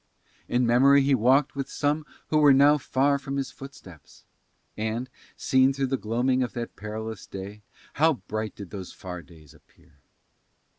In memory he walked with some who were now far from his footsteps. And, seen through the gloaming of that perilous day, how bright did those far days appear!